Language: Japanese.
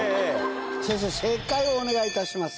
先生正解をお願いいたします。